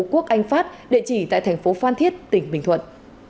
quốc anh pháp địa chỉ tại thành phố phan thiết tỉnh bình thuận